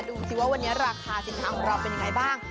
ดูสิว่าวันนี้ราคาสินค้าของเราเป็นยังไงบ้าง